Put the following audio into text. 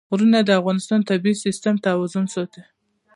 غرونه د افغانستان د طبعي سیسټم توازن ساتي.